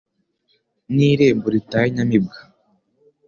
N' irembo ritaha inyamibwa